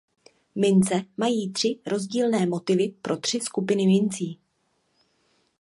Mince mají tři rozdílné motivy pro tři skupiny mincí.